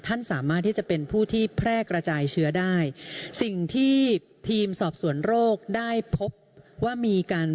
ท่านสามารถที่จะเป็นผู้ที่แพร่กระจายเชื้อได้สิ่งที่ทีมสอบสวนโรคได้พบว่ามีการ